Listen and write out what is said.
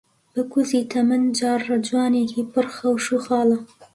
بەکووزی تەمەن جاڕەجوانێکی پڕ خەوش و خاڵە،